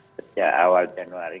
sejak awal januari